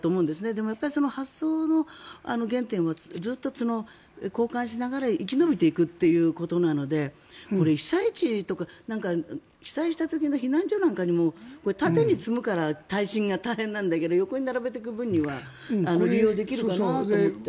でも、その発想の原点はずっと交換しながら生き延びていくということなのでこれは被災地とか被災した時の避難所なんかにも縦に積むから耐震が大変なんだけど横に並べていくぶんには利用できるなって。